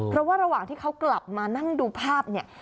เพราะว่าระหว่างที่เขากลับมานั่งดูภาพเนี่ย